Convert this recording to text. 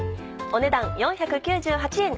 お値段４９８円。